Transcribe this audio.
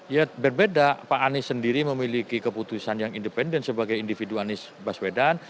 ya berbeda pak anies sendiri memiliki keputusan yang independen sebagai individu anies baswedan